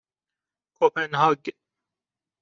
کپنهاگ